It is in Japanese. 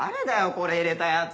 これ入れたヤツ。